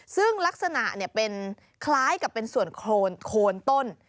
ซึ่งลักษณะเป็นคล้ายกับเป็นส่วนโคนต้น